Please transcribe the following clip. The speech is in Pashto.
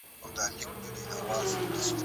هغه وویل چې سبا به خامخا راځي.